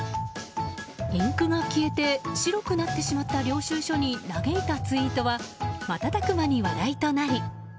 インクが消えて白くなってしまった領収書に嘆いたツイートは瞬く間に話題となり。